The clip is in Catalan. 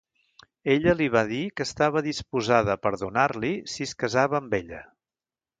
Ella li va dir que estava disposada a perdonar-li si es casava amb ella.